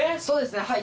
そうですね。